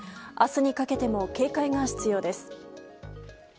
明日にかけても警戒が必要です。